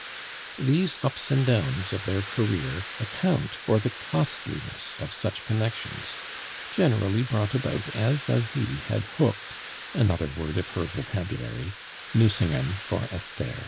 These ups and downs of their career account for the costliness of such connections, generally brought about as Asie had hooked (another word of her vocabulary) Nucingen for Esther.